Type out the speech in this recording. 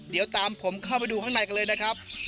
เดี๋ยวตามผมเข้าไปดูข้างในกันเลยนะครับ